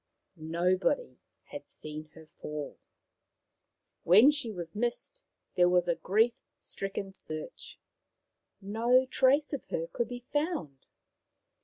Nobody had seen her fall. When she was missed there was a grief stricken search. No trace of her could be found.